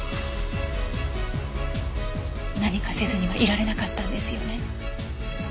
何かせずにはいられなかったんですよね。